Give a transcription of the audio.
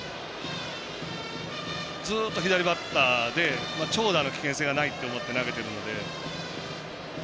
ずっと左バッターで長打の危険性がないと思って投げてるので。